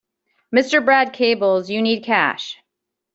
Mr. Brad cables you need cash.